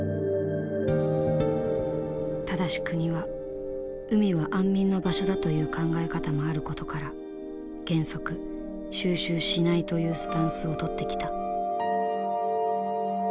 ただし国は海は安眠の場所だという考え方もあることから原則収集しないというスタンスをとってきた。